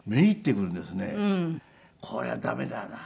これは駄目だな。